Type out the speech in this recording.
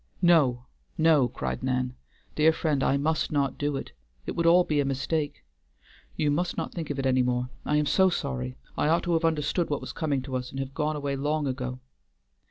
"No, no!" cried Nan, "dear friend, I must not do it; it would all be a mistake. You must not think of it any more. I am so sorry, I ought to have understood what was coming to us, and have gone away long ago."